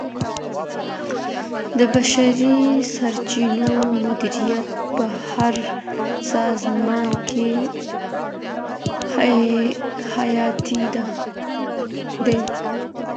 د بشري سرچینو مدیریت په هر سازمان کي حیاتي دی.